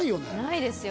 ないですよ。